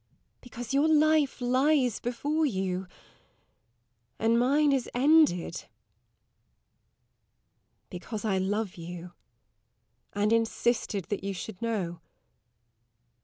Because your life lies before you, and mine is ended. Because I love you, and insisted that you should know.